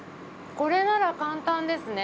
これなら簡単ですね。